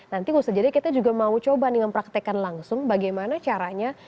nanti usah jadi kita juga mau coba nih mempraktekkan langsung bagaimana caranya